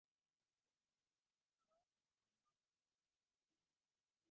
গত চার-পাঁচ বৎসর ধরিয়া পৃথিবীতে অনেক গুরুতর রাজনীতিক পরিবর্তন ঘটিতেছে।